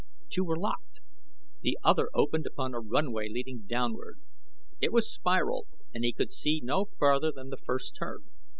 Two were locked; the other opened upon a runway leading downward. It was spiral and he could see no farther than the first turn.